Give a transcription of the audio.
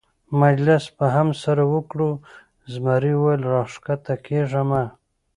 مجلس به هم سره وکړو، زمري وویل: را کښته کېږه مه.